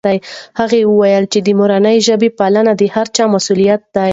هغه وویل چې د مورنۍ ژبې پالنه د هر چا مسؤلیت دی.